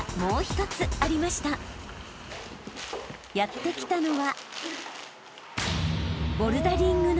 ［やって来たのは］